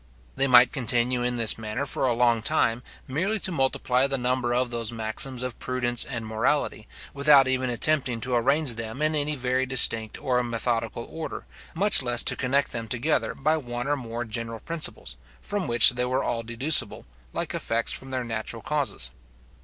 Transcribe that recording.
They might continue in this manner, for a long time, merely to multiply the number of those maxims of prudence and morality, without even attempting to arrange them in any very distinct or methodical order, much less to connect them together by one or more general principles, from which they were all deducible, like effects from their natural causes.